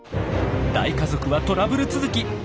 大家族はトラブル続き。